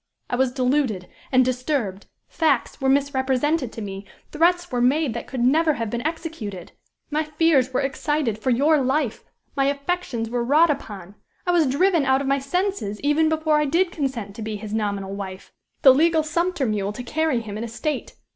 I was deluded and disturbed; facts were misrepresented to me, threats were made that could never have been executed; my fears were excited for your life; my affections were wrought upon; I was driven out of my senses even before I did consent to be his nominal wife the legal sumpter mule to carry him an estate.